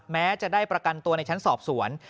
แม้จะได้ประกันตัวในชั้นสอบสวน